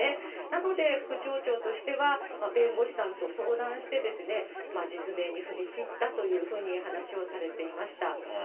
なので、副町長としては弁護士さんと相談して、実名に踏み切ったというふうに話をされていました。